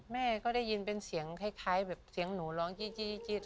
แม่ก็ได้ยินเป็นเสียงคล้ายแบบเสียงหนูร้องจี๊ด